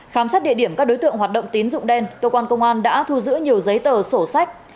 khám xét địa điểm các đối tượng hoạt động tín dụng đen cơ quan công an đã thu giữ nhiều giấy tờ sổ sách